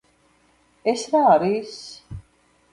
ეს რა არის?